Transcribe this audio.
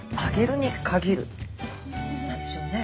なんでしょうね。